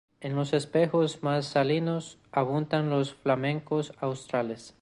En los espejos más salinos abundan los flamencos australes.